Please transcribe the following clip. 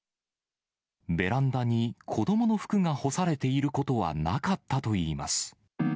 ベランダに子どもの服が干されていることはなかったといいます。